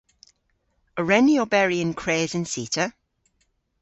A wren ni oberi yn kres an cita?